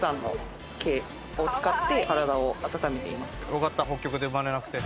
よかった北極で生まれなくて。